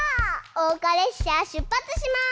おうかれっしゃしゅっぱつします！